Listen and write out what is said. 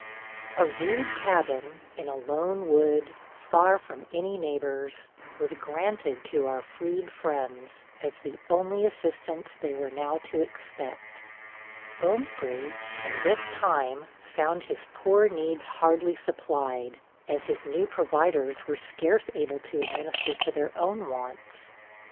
A rude cabin, in a lone wood, far from any neighbors, was granted to our freed friends, as the only assistance they were now to expect. Bomefree, from this time, found his poor needs hardly supplied, as his new providers were scarce able to administer to their own wants.